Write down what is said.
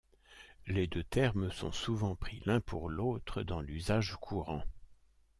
Les deux termes sont souvent pris l'un pour l'autre dans l'usage courant.